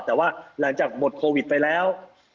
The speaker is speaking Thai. แต่ว่าหลังจากหมดโควิดไปแล้ว